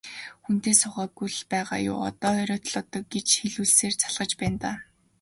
Хүнтэй суугаагүй л байгаа юу, одоо ч оройтлоо доо гэж хэлүүлсээр залхаж байна даа.